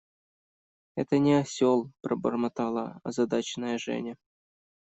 – Это не осел, – пробормотала озадаченная Женя.